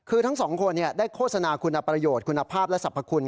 คือทั้งสองคนได้โฆษณาคุณประโยชน์คุณภาพและสรรพคุณ